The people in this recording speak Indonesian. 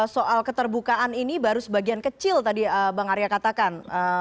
soal keterbukaan ini baru sebagian kecil tadi bang arya katakan